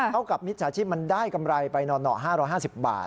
เท่ากับมิจฉาชีพได้เงินไป๕๕๐บาท